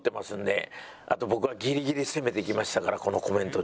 あと僕はギリギリ攻めていきましたからこのコメントで。